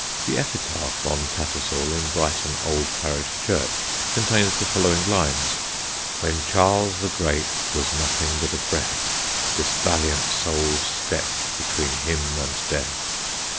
The epitaph on Tattersall in Brighton old parish church contains the following lines: When Charles ye great was nothing but a breath This valiant soul stept betweene him and death....